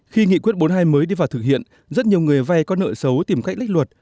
khi nghị quyết bốn mươi hai mới đi vào thực hiện rất nhiều người vay có nợ xấu tìm cách lếch luật